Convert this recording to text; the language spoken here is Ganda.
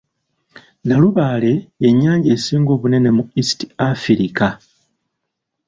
Nalubaale ye nnyanja esinga obunene mu East Afirika.